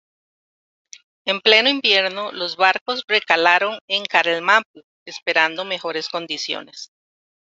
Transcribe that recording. En pleno invierno, los barcos recalaron en Carelmapu esperando mejores condiciones.